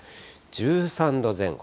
１３度前後。